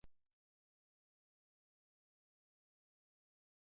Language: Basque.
Trapezio hau ere ziklikoa da.